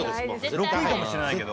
６位かもしれないけど。